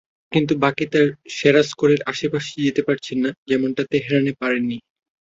কিন্তু বাকি তাঁর সেরা স্কোরের আশপাশেই যেতে পারছেন না, যেমনটা তেহরানেও পারেননি।